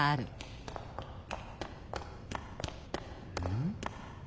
ん？